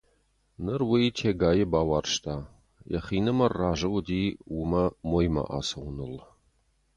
Ныр уый Тегайы бауарзта, йӕхинымӕр разы уыди уымӕ моймӕ ацӕуыныл.